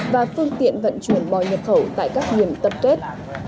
và phương tiện vận chuyển mò nhập khẩu tại các nhiệm tập test